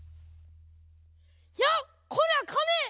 やっ⁉こりゃかね！